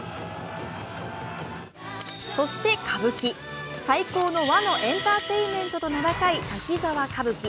そして歌舞伎、最高の和のエンターテインメントと名高い「滝沢歌舞伎」。